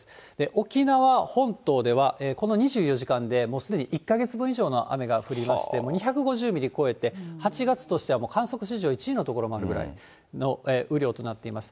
沖縄本島では、この２４時間で、もうすでに１か月分以上の雨が降りまして、もう２５０ミリを超えて、８月としてはもう観測史上１位の所もあるぐらいの雨量となっています。